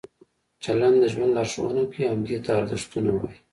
چلند د ژوند لارښوونه کوي او همدې ته ارزښتونه وایي.